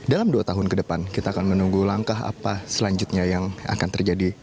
dalam dua tahun ke depan kita akan menunggu langkah apa selanjutnya yang akan terjadi